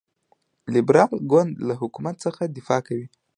لیبرال ګوند له حکومت څخه دفاع کوي.